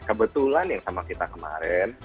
kebetulan yang sama kita kemarin